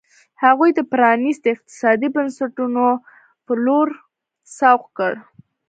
هغوی د پرانیستو اقتصادي بنسټونو په لور سوق کړ.